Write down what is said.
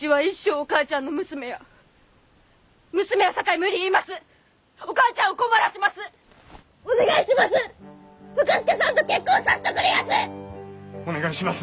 お願いします。